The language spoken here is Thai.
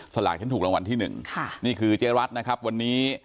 สลากฉันถูกรางวัลที่หนึ่งค่ะนี่คือเจ๊รัฐนะครับวันนี้